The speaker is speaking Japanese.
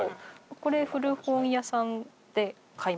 これ古本屋さんで買いました。